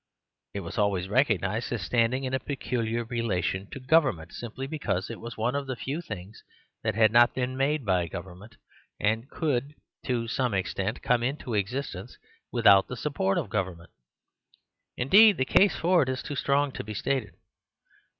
It was always recognised as standing in a peculiar relation to govern ment; simply because it was one of the few things that had not been made by govern ment; and could to some extent come into ex istence without the support of government. In deed the case for it is too strong to be stated.